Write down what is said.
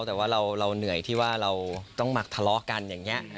แต่ว่าเราเหนื่อยที่ว่าเราต้องหมักทะเลาะกันอย่างนี้